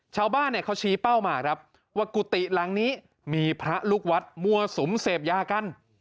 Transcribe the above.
ชาวบ้านเนี่ยเขาชี้เป้ามาครับว่ากุฏิหลังนี้มีพระลูกวัดมั่วสุมเสพยากัน